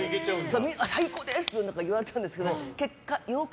最高です！って言われたんですけど結果、妖怪。